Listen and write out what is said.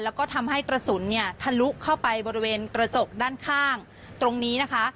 แล้วก็ทำให้กระสุนเนี่ยทะลุเข้าไปบริเวณกระจกด้านข้างตรงนี้นะคะ